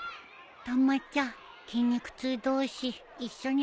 たまちゃん筋肉痛同士一緒に走ろう。